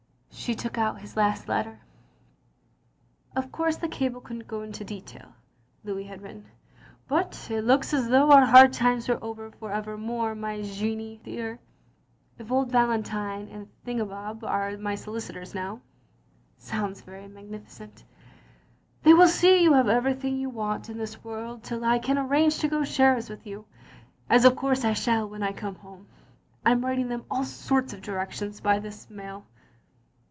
She took out his last letter. "0/ course the cable couldn't go into detail'^ (Louis had written), ''but it looks as though our hard times were over for evermore^ my Jeannie dear. If old Valentine and Thingumbob are my solicitors now, (soimds very magnificent) — they will see you have everything you want in this world, till I can arrange to go shares with you, as of course I shall when I come home. I 'm writing them all sorts of directions by this very mmV\